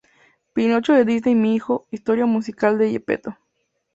Pinocho de Disney Mi Hijo: Historia Musical de Geppetto.